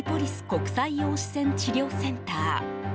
国際陽子線治療センター。